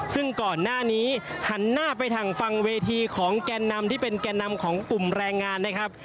ซึ่งก่อนหน้านี้หันหน้าไปทางฟังเวทีของแกนนำที่เป็นแก่นำของกลุ่มแรงงานนะครับ